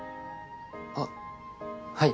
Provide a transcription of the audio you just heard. あっはい。